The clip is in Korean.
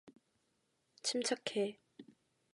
침착해.